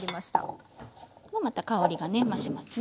また香りがね増しますね。